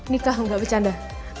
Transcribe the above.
nikah enggak bercanda